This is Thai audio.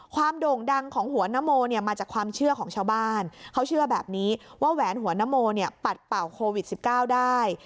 โด่งดังของหัวนโมเนี่ยมาจากความเชื่อของชาวบ้านเขาเชื่อแบบนี้ว่าแหวนหัวนโมเนี่ยปัดเป่าโควิด๑๙ได้